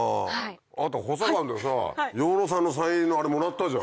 あなた補佐官でさ養老さんのサイン入りのあれもらったじゃん。